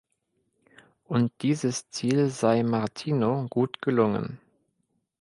Und dieses Ziel sei Martino gut gelungen.